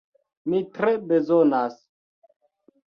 Mi tre bezonas!